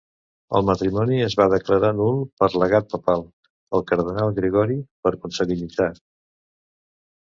El matrimoni es va declarar nul pel legat papal, el cardenal Gregori, per consanguinitat.